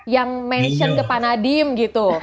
yang mention ke panadim gitu